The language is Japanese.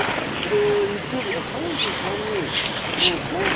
日曜日は３３人。